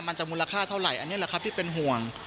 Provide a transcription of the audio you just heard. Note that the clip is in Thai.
มูลค่าเท่าไหร่อันนี้แหละครับที่เป็นห่วง